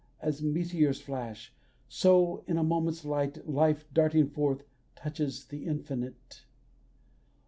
As meteors flash, so, in a moment's light, Life, darting forth, touches the Infinite.